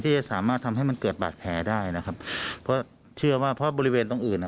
จะสามารถทำให้มันเกิดบาดแผลได้นะครับเพราะเชื่อว่าเพราะบริเวณตรงอื่นอ่ะ